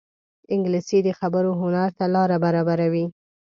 انګلیسي د خبرو هنر ته لاره برابروي